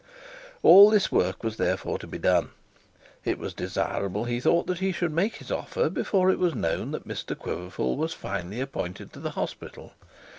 All this work had therefore to be done. It was desirable he thought that he should make his offer before it was known that Mr Quiverful was finally appointed to the hospital.